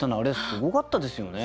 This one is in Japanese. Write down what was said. すごかったですね。